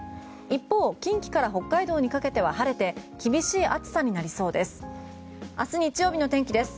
一方、近畿から北海道にかけては晴れて厳しい暑さになりそうです。